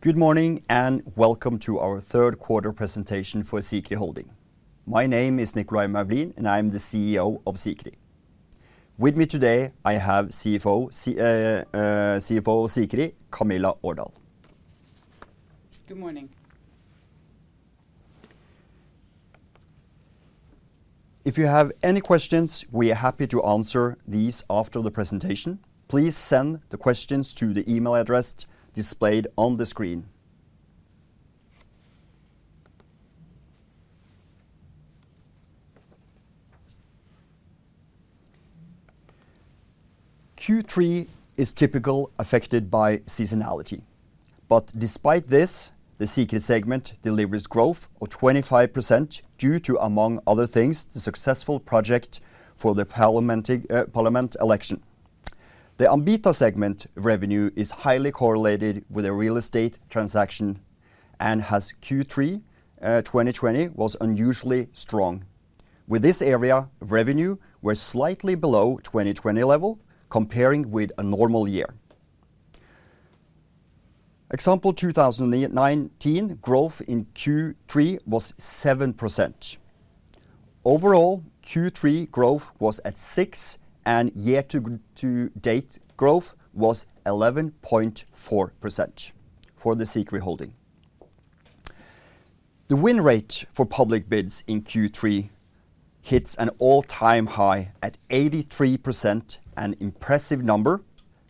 Good morning and welcome to our third quarter presentation for Sikri Group. My name is Nicolay Moulin, and I am the CEO of Sikri. With me today, I have CFO of Sikri, Camilla Urdal. Good morning. If you have any questions, we are happy to answer these after the presentation. Please send the questions to the email address displayed on the screen. Q3 is typically affected by seasonality. Despite this, the Sikri segment delivers growth of 25% due to, among other things, the successful project for the parliament election. The Ambita segment revenue is highly correlated with a real estate transaction and has Q3 2020 was unusually strong. With this area, revenue was slightly below 2020 level comparing with a normal year. Example, 2019, growth in Q3 was 7%. Overall, Q3 growth was at 6%, and year to date growth was 11.4% for the Sikri Holding. The win rate for public bids in Q3 hits an all-time high at 83%, an impressive number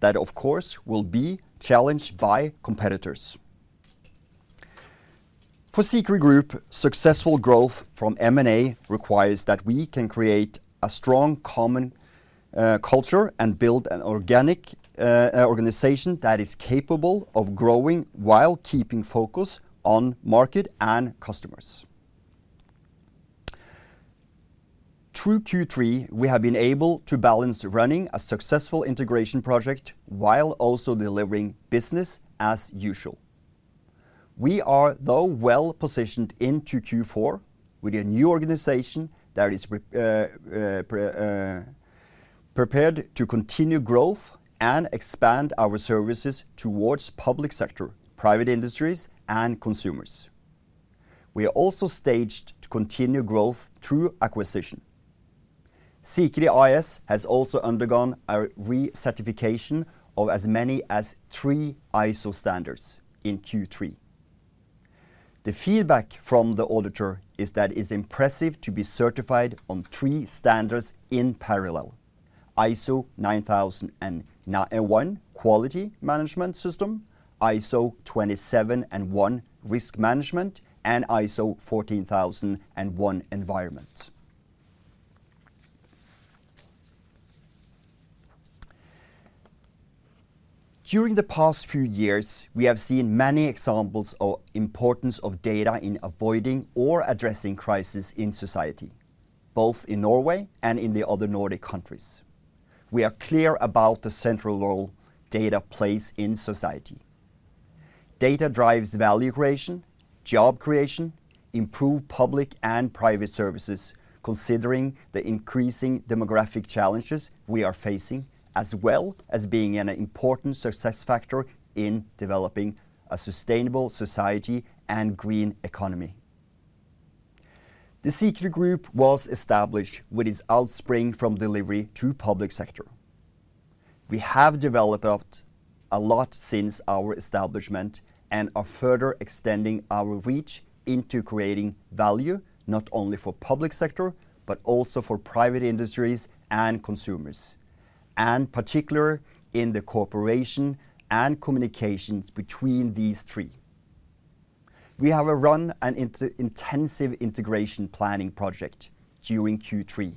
that, of course, will be challenged by competitors. For Sikri Group, successful growth from M&A requires that we can create a strong common culture and build an organic organization that is capable of growing while keeping focus on market and customers. Through Q3, we have been able to balance running a successful integration project while also delivering business as usual. We are, though, well positioned into Q4 with a new organization that is prepared to continue growth and expand our services towards public sector, private industries, and consumers. We are also staged to continue growth through acquisition. Sikri AS has also undergone a recertification of as many as three ISO standards in Q3. The feedback from the auditor is that it's impressive to be certified on three standards in parallel, ISO 9001, quality management system, ISO 27001, risk management, and ISO 14001, environment. During the past few years, we have seen many examples of importance of data in avoiding or addressing crisis in society, both in Norway and in the other Nordic countries. We are clear about the central role data plays in society. Data drives value creation, job creation, improved public and private services, considering the increasing demographic challenges we are facing, as well as being an important success factor in developing a sustainable society and green economy. The Sikri Group was established with its offspring from delivery to public sector. We have developed a lot since our establishment and are further extending our reach into creating value, not only for public sector, but also for private industries and consumers, particularly in the cooperation and communications between these three. We have run an intensive integration planning project during Q3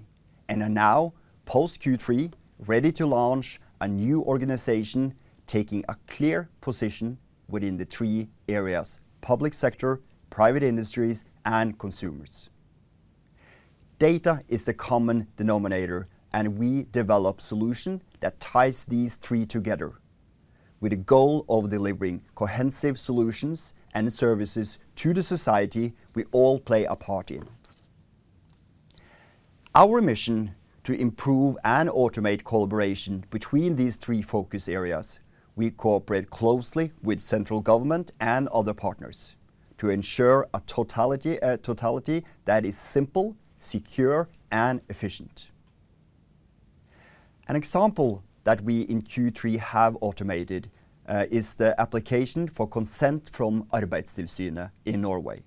and are now, post-Q3, ready to launch a new organization taking a clear position within the three areas, public sector, private industries, and consumers. Data is the common denominator, and we develop solution that ties these three together with the goal of delivering cohesive solutions and services to the society we all play a part in. Our mission to improve and automate collaboration between these three focus areas. We cooperate closely with central government and other partners to ensure a totality that is simple, secure, and efficient. An example that we in Q3 have automated is the application for consent from Arbeidstilsynet in Norway.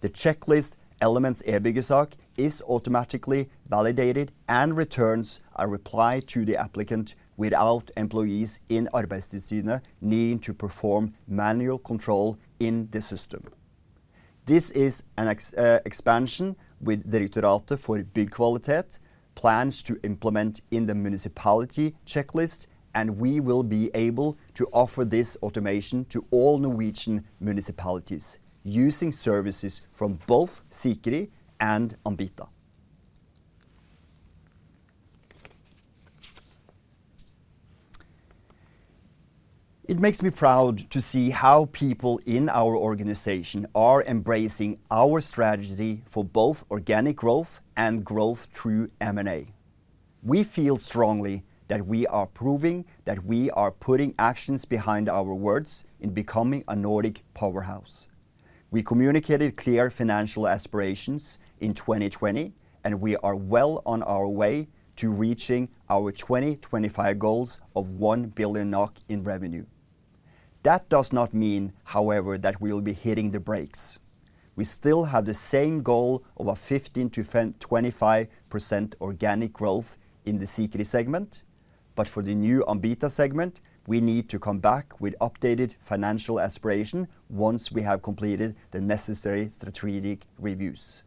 The Elements eByggesak is automatically validated and returns a reply to the applicant without employees in Arbeidstilsynet needing to perform manual control in the system. This is an expansion that Direktoratet for byggkvalitet plans to implement in the municipality checklist, and we will be able to offer this automation to all Norwegian municipalities using services from both Sikri and Ambita. It makes me proud to see how people in our organization are embracing our strategy for both organic growth and growth through M&A. We feel strongly that we are proving that we are putting actions behind our words in becoming a Nordic powerhouse. We communicated clear financial aspirations in 2020, and we are well on our way to reaching our 2025 goals of 1 billion NOK in revenue. That does not mean, however, that we will be hitting the brakes. We still have the same goal of a 15%-25% organic growth in the Sikri segment. For the new Ambita segment, we need to come back with updated financial aspiration once we have completed the necessary strategic reviews.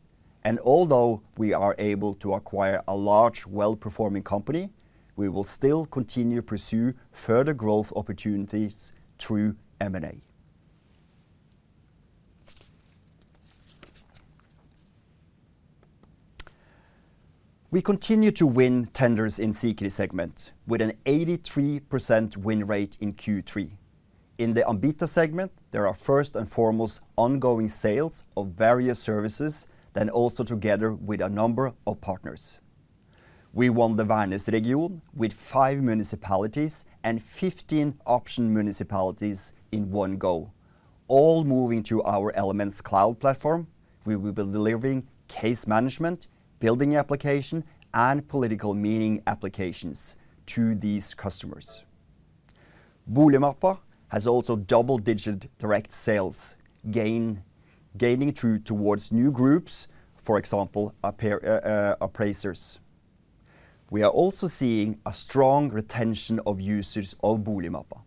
Although we are able to acquire a large, well-performing company, we will still continue to pursue further growth opportunities through M&A. We continue to win tenders in Sikri segment, with an 83% win rate in Q3. In the Ambita segment, there are first and foremost ongoing sales of various services, then also together with a number of partners. We won the Værnes Region with 5 municipalities and 15 option municipalities in one go, all moving to our Elements cloud platform. We will be delivering case management, building application, and political meeting applications to these customers. Boligmappa has also double-digit direct sales gaining through towards new groups, for example, appraisers. We are also seeing a strong retention of users of Boligmappa.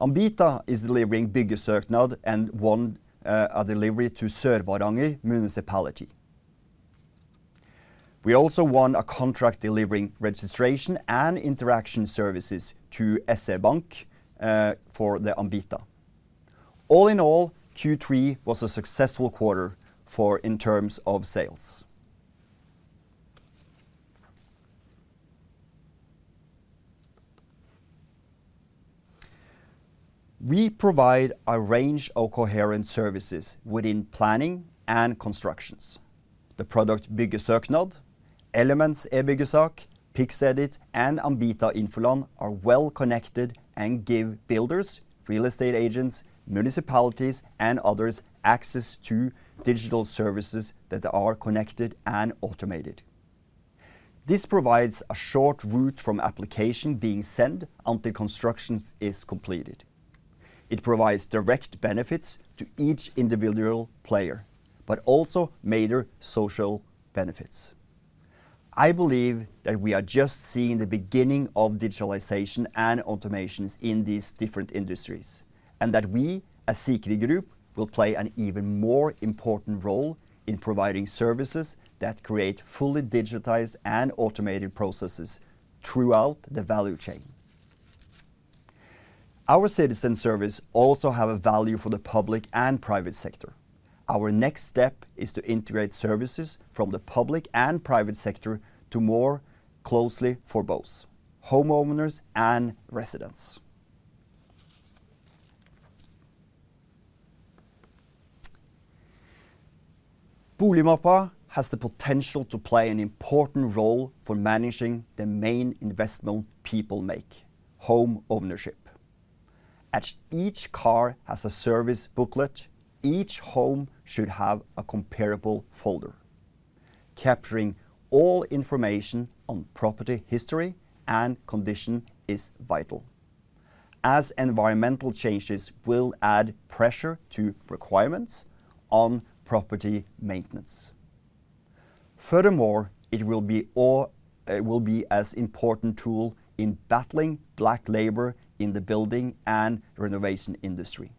Ambita is delivering Byggesøknaden and won a delivery to Sør-Varanger Municipality. We also won a contract delivering registration and interaction services to SEB for Ambita. All in all, Q3 was a successful quarter in terms of sales. We provide a range of coherent services within planning and construction. The product Byggesøknaden, Elements eByggesak, PixEdit, and Ambita Infoland are well connected and give builders, real estate agents, municipalities, and others access to digital services that are connected and automated. This provides a short route from application being sent until construction is completed. It provides direct benefits to each individual player, but also major social benefits. I believe that we are just seeing the beginning of digitalization and automation in these different industries, and that we, as Sikri Group, will play an even more important role in providing services that create fully digitized and automated processes throughout the value chain. Our citizen service also have a value for the public and private sector. Our next step is to integrate services from the public and private sector to more closely for both homeowners and residents. Boligmappa has the potential to play an important role for managing the main investment people make, home ownership. As each car has a service booklet, each home should have a comparable folder. Capturing all information on property history and condition is vital, as environmental changes will add pressure to requirements on property maintenance. Furthermore, it will be an important tool in battling black labor in the building and renovation industry.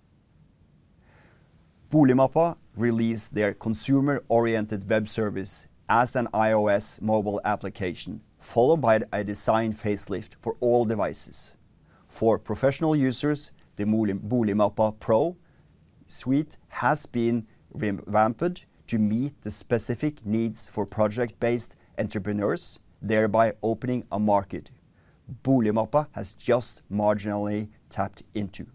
Boligmappa released their consumer-oriented web service as an iOS mobile application, followed by a design facelift for all devices. For professional users, the Boligmappa PRO suite has been revamped to meet the specific needs for project-based entrepreneurs, thereby opening a market Boligmappa has just marginally tapped into.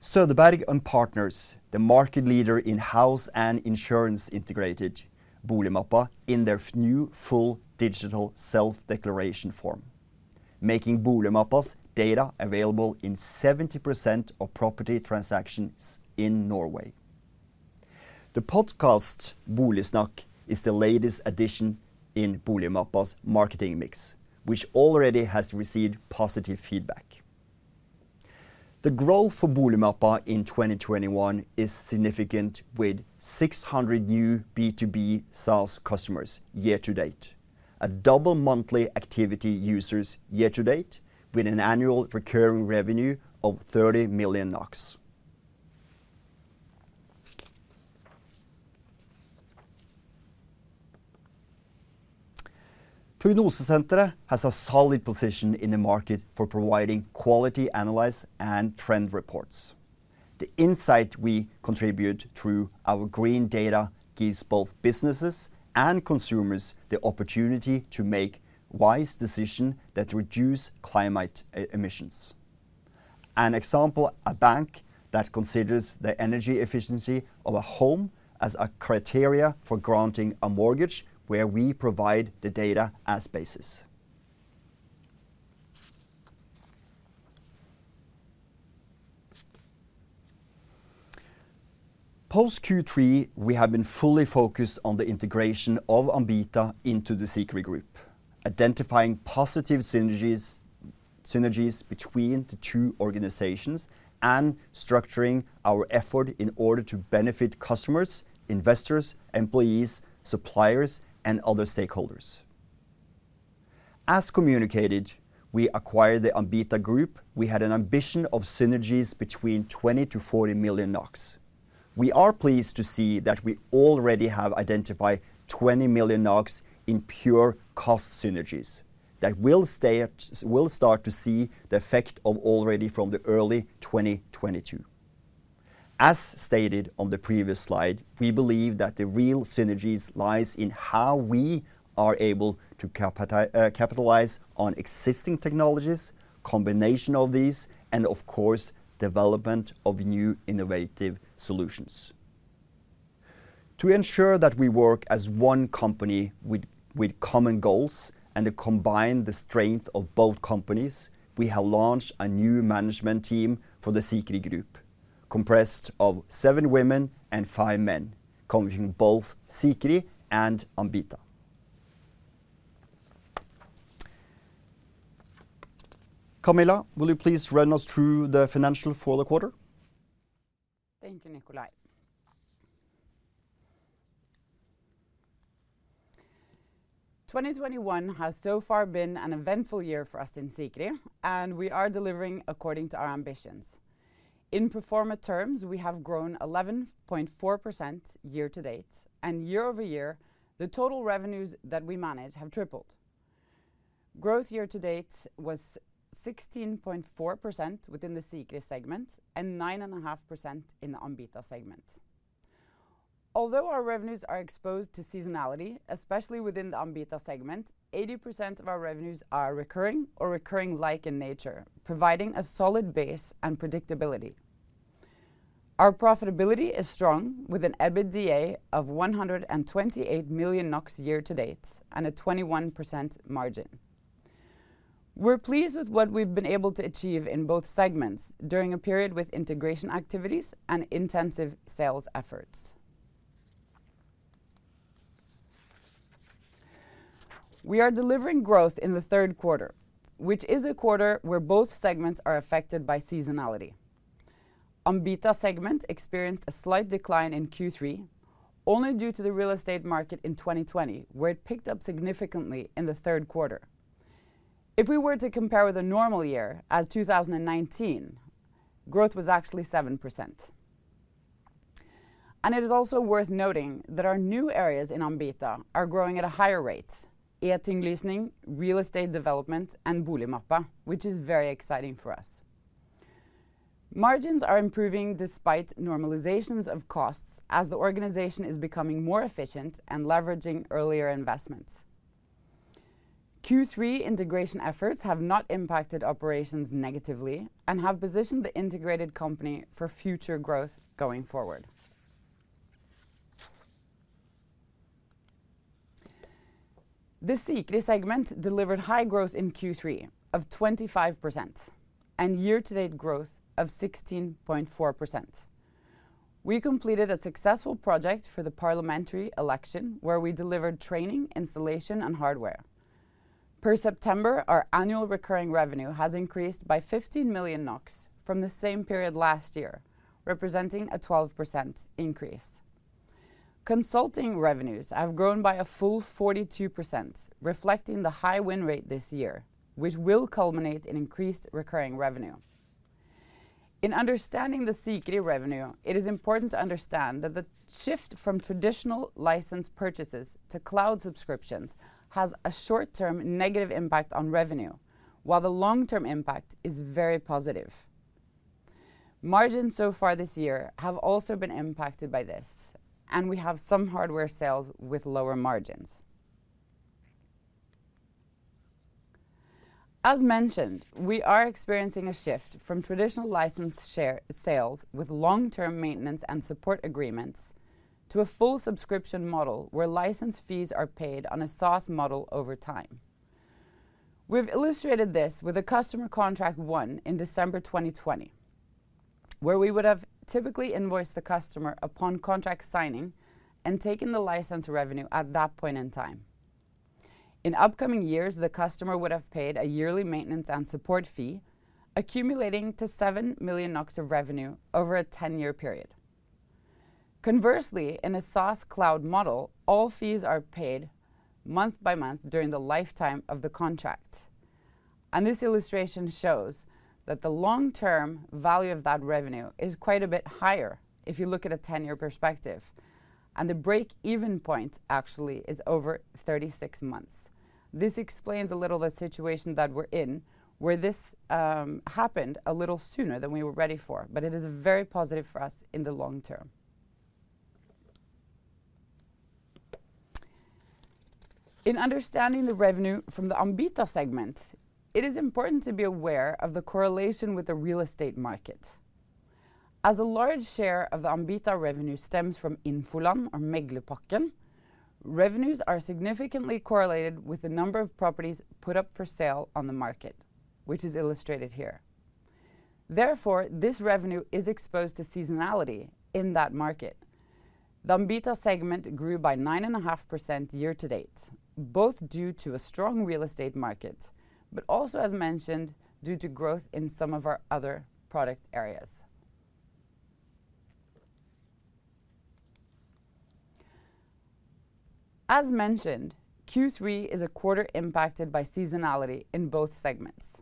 Söderberg & Partners, the market leader in home and insurance, integrated Boligmappa in their new full digital self-declaration form, making Boligmappa's data available in 70% of property transactions in Norway. The podcast, Boligsnakk, is the latest addition in Boligmappa's marketing mix, which already has received positive feedback. The growth for Boligmappa in 2021 is significant, with 600 new B2B SaaS customers year to date, doubled monthly active users year to date, with an annual recurring revenue of 30 million NOK. Prognosesenteret has a solid position in the market for providing quality analysis and trend reports. The insight we contribute through our green data gives both businesses and consumers the opportunity to make wise decisions that reduce climate emissions. An example, a bank that considers the energy efficiency of a home as a criterion for granting a mortgage, where we provide the data as a basis. Post Q3, we have been fully focused on the integration of Ambita into the Sikri Group, identifying positive synergies between the two organizations, and structuring our effort in order to benefit customers, investors, employees, suppliers, and other stakeholders. As communicated, we acquired the Ambita Group. We had an ambition of synergies between 20 million-40 million NOK. We are pleased to see that we already have identified 20 million NOK in pure cost synergies that we'll start to see the effect of already from early 2022. As stated on the previous slide, we believe that the real synergies lies in how we are able to capitalize on existing technologies, combination of these, and of course, development of new innovative solutions. To ensure that we work as one company with common goals and to combine the strength of both companies, we have launched a new management team for the Sikri Group, comprised of seven women and five men, coming from both Sikri and Ambita. Camilla, will you please run us through the financial for the quarter? Thank you, Nicolay. 2021 has so far been an eventful year for us in Sikri, and we are delivering according to our ambitions. In pro forma terms, we have grown 11.4% year to date, and year-over-year, the total revenues that we manage have tripled. Growth year to date was 16.4% within the Sikri segment and 9.5% in the Ambita segment. Although our revenues are exposed to seasonality, especially within the Ambita segment, 80% of our revenues are recurring or recurring-like in nature, providing a solid base and predictability. Our profitability is strong, with an EBITDA of 128 million NOK year to date and a 21% margin. We're pleased with what we've been able to achieve in both segments during a period with integration activities and intensive sales efforts. We are delivering growth in the third quarter, which is a quarter where both segments are affected by seasonality. Ambita segment experienced a slight decline in Q3, only due to the real estate market in 2020, where it picked up significantly in the third quarter. If we were to compare with a normal year, as 2019, growth was actually 7%. It is also worth noting that our new areas in Ambita are growing at a higher rate: eTinglysing, real estate development, and Boligmappa, which is very exciting for us. Margins are improving despite normalizations of costs as the organization is becoming more efficient and leveraging earlier investments. Q3 integration efforts have not impacted operations negatively and have positioned the integrated company for future growth going forward. The Sikri segment delivered high growth in Q3 of 25% and year-to-date growth of 16.4%. We completed a successful project for the parliamentary election where we delivered training, installation, and hardware. As of September, our annual recurring revenue has increased by 15 million NOK from the same period last year, representing a 12% increase. Consulting revenues have grown by a full 42%, reflecting the high win rate this year, which will culminate in increased recurring revenue. In understanding the Sikri revenue, it is important to understand that the shift from traditional license purchases to cloud subscriptions has a short-term negative impact on revenue, while the long-term impact is very positive. Margins so far this year have also been impacted by this, and we have some hardware sales with lower margins. We are experiencing a shift from traditional license share sales with long-term maintenance and support agreements to a full subscription model where license fees are paid on a SaaS model over time. We've illustrated this with a customer contract won in December 2020, where we would have typically invoiced the customer upon contract signing and taken the license revenue at that point in time. In upcoming years, the customer would have paid a yearly maintenance and support fee accumulating to 7 million NOK of revenue over a 10-year period. Conversely, in a SaaS cloud model, all fees are paid month by month during the lifetime of the contract. This illustration shows that the long-term value of that revenue is quite a bit higher if you look at a 10-year perspective, and the break-even point actually is over 36 months. This explains a little the situation that we're in, where this happened a little sooner than we were ready for, but it is very positive for us in the long term. In understanding the revenue from the Ambita segment, it is important to be aware of the correlation with the real estate market. As a large share of the Ambita revenue stems from Infoland or Meglerpakken, revenues are significantly correlated with the number of properties put up for sale on the market, which is illustrated here. Therefore, this revenue is exposed to seasonality in that market. The Ambita segment grew by 9.5% year to date, both due to a strong real estate market, but also, as mentioned, due to growth in some of our other product areas. As mentioned, Q3 is a quarter impacted by seasonality in both segments.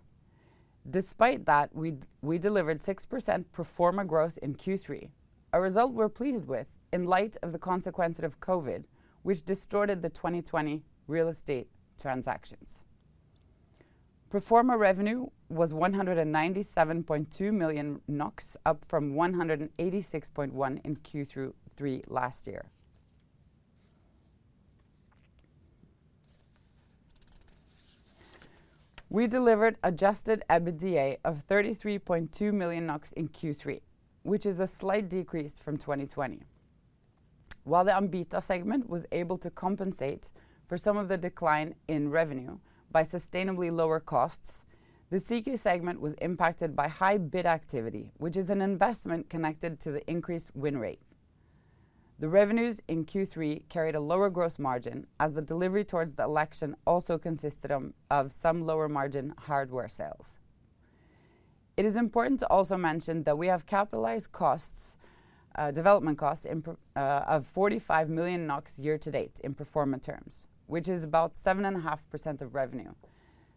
Despite that, we delivered 6% pro forma growth in Q3, a result we're pleased with in light of the consequences of COVID, which distorted the 2020 real estate transactions. Pro forma revenue was 197.2 million NOK, up from 186.1 million in Q3 last year. We delivered adjusted EBITDA of 33.2 million NOK in Q3, which is a slight decrease from 2020. While the Ambita segment was able to compensate for some of the decline in revenue by sustainably lower costs, the Sikri segment was impacted by high bid activity, which is an investment connected to the increased win rate. The revenues in Q3 carried a lower gross margin as the delivery towards the election also consisted of some lower margin hardware sales. It is important to also mention that we have capitalized development costs of 45 million NOK year to date in pro forma terms, which is about 7.5% of revenue.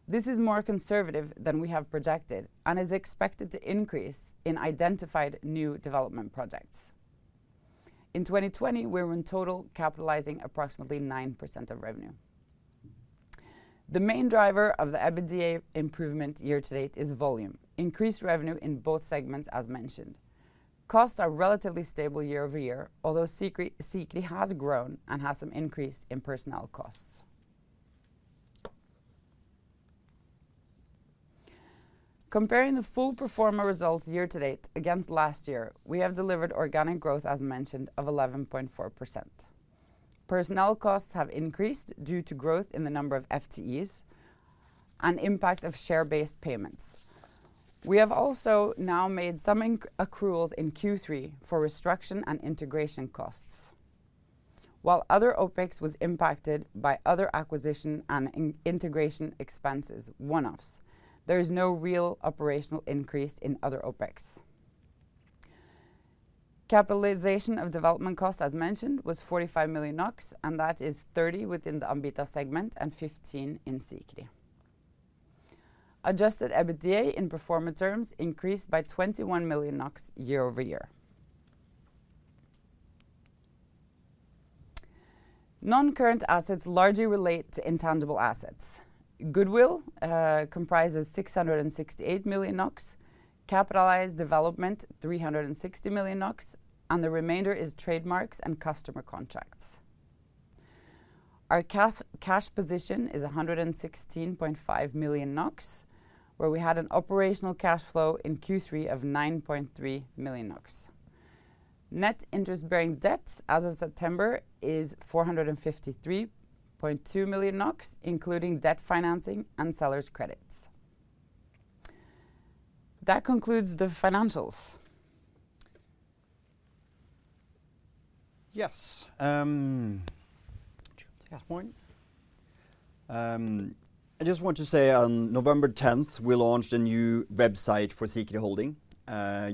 This is more conservative than we have projected and is expected to increase in identified new development projects. In 2020, we were in total capitalizing approximately 9% of revenue. The main driver of the EBITDA improvement year to date is volume, increased revenue in both segments as mentioned. Costs are relatively stable year over year, although Sikri has grown and has some increase in personnel costs. Comparing the full pro forma results year to date against last year, we have delivered organic growth, as mentioned, of 11.4%. Personnel costs have increased due to growth in the number of FTEs and impact of share-based payments. We have also now made some accruals in Q3 for restriction and integration costs. While other OPEX was impacted by other acquisition and integration expenses one-offs, there is no real operational increase in other OPEX. Capitalization of development costs, as mentioned, was 45 million NOK, and that is 30 within the Ambita segment and 15 in Sikri. Adjusted EBITDA in pro forma terms increased by NOK 21 million year-over-year. Non-current assets largely relate to intangible assets. Goodwill comprises 668 million NOK, capitalized development 360 million NOK, and the remainder is trademarks and customer contracts. Our cash position is 116.5 million NOK, where we had an operational cash flow in Q3 of 9.3 million NOK. Net interest-bearing debt as of September is 453.2 million NOK, including debt financing and sellers' credits. That concludes the financials. Yes, do you want to take that point? I just want to say on November tenth, we launched a new website for Sikri Holding.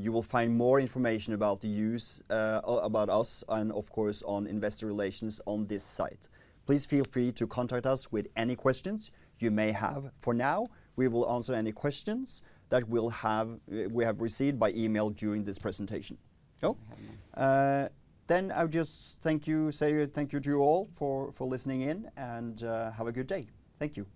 You will find more information about us and of course, on investor relations on this site. Please feel free to contact us with any questions you may have. For now, we will answer any questions that we have received by email during this presentation. No? I have none. I would just thank you, say thank you to you all for listening in, and have a good day. Thank you.